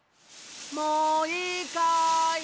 もういいかい？